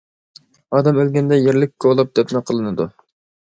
ئادەم ئۆلگەندە يەرلىك كولاپ دەپنە قىلىنىدۇ.